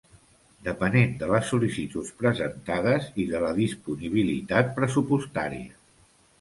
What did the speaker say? Depenent de les sol·licituds presentades i de la disponibilitat pressupostària.